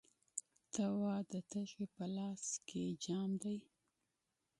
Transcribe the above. ته وا، د تږي په لاس کې جام دی